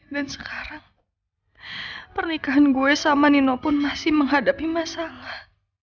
dan sekarang pernikahan gue sama nino pun masih menghadapi masalah